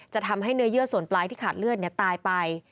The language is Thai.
จะทำให้เนื้อเยื่อส่วนปลายที่ขาดเลือดตายไป